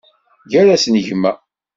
Gar-asen gma.